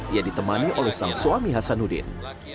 ia ditemani oleh sang suami hasanuddin